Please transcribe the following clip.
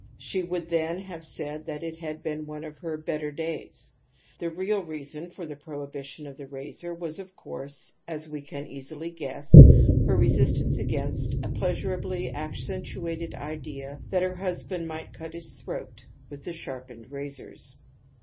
She would then have said it had been one of her * better days '. The real reason for the prohibition of the razor was, of course, as we can easily guess, her / c^ r. THE OMNIPOTENCE OF THOUGHT 161 resistance against a pleasurabLy accentuated idea that her husband might cut his throat with te sharpened razors.